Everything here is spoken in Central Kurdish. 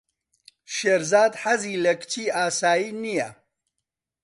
شێرزاد حەزی لە کچی ئاسایی نییە.